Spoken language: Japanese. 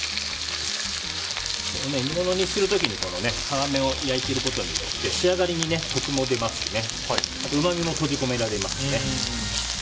煮物にする時に皮目を焼くことによって仕上がりにコクも出ますしうまみも閉じ込められます。